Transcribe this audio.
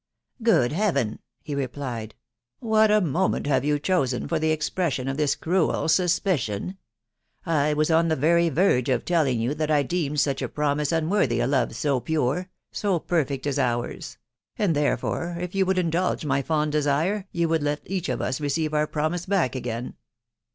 *'" Good Heaven !".... he replied ;" what a moment have you chosen for the expression of this cruel suspicion ! I was on the very verge of telling you that I deemed such a pro mise unworthy a love so pure — so perfect as ours; and therefore, if you would indulge my fond desire, you would let each of us receive our promise hack again."